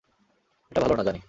এটা ভালো না, জানি!